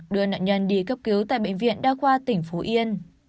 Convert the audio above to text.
đưa nạn nhân đi cấp cứu tại bệnh viện đa khoa tỉnh phú yên